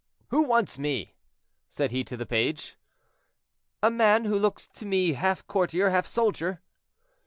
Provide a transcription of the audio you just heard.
"Who wants me?" said he to the page. "A man who looks to me half courtier, half soldier."